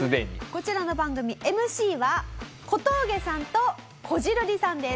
こちらの番組ＭＣは小峠さんとこじるりさんです。